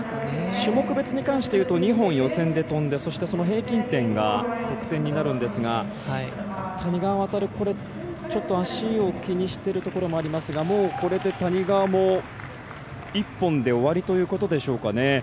種目別に関していうと２本、予選で跳んで平均点が得点になるんですが谷川航足を気にしてるところもありますがもうこれで谷川も１本で終わりということでしょうか。